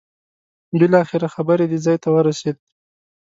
بالاخره خبره دې ځای ورسېده.